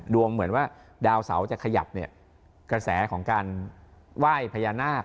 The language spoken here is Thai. เหมือนว่าดาวเสาจะขยับเนี่ยกระแสของการไหว้พญานาค